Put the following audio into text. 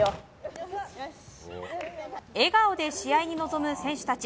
笑顔で試合に臨む選手たち。